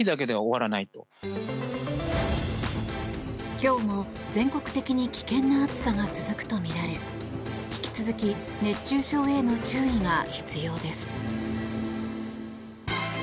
今日も全国的に危険な暑さが続くとみられ引き続き熱中症への注意が必要です。